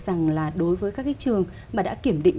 rằng là đối với các cái trường mà đã kiểm định